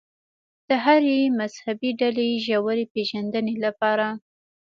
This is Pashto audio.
د هرې مذهبي ډلې ژورې پېژندنې لپاره.